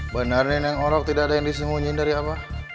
benar neng ngorok tidak ada yang disembunyiin dari abah